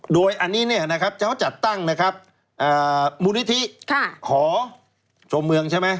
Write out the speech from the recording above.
โดยอันนี้เจ้าจัดตั้งมูลนิธิหอชมเมืองใช่ไหม